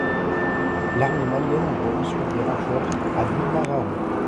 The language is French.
L'armée malienne envoie ensuite des renforts à Gourma-Rharous.